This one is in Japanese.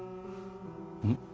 うん？